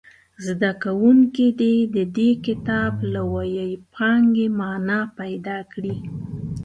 زده کوونکي دې د دې کتاب له وییپانګې معنا پیداکړي.